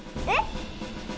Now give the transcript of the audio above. えっ？